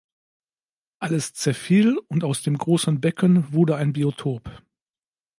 Alles zerfiel und aus dem großen Becken wurde ein Biotop.